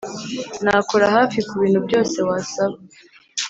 nakora hafi kubintu byose wasaba,